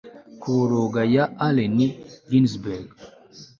Kuboroga ya Allen Ginsberg